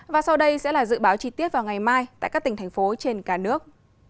và sau đây sẽ là dự báo chi tiết vào ngày mai tại các tỉnh thành phố trên cả nước